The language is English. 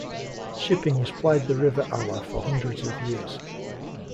Shipping has plied the river Aller for hundreds of years.